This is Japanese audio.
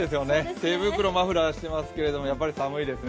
手袋、マフラーしてますけれども、やっぱり寒いですね。